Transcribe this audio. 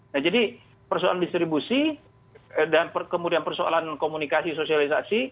nah jadi persoalan distribusi dan kemudian persoalan komunikasi sosialisasi